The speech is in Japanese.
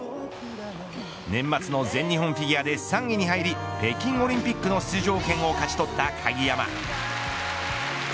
年末の全日本フィギュアで３位に入り北京オリンピックの出場権を勝ち取った鍵山。